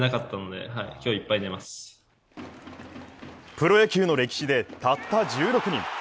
プロ野球の歴史でたった１６人。